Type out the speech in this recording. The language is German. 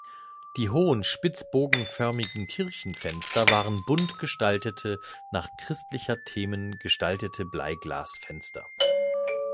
Die hohen spitzbogenförmigen Kirchenfenster waren bunt gestaltete nach christlicher Themen gestaltete Bleiglasfenster.